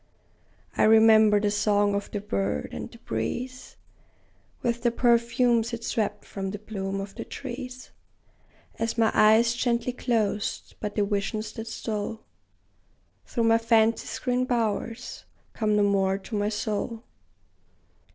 I remember the song of the bird, and the breeze With the perfumes it swept from the bloom of the trees, As my eyes gently closed; but the visions that stole Through my fancy's green bowers, come no more to my soul!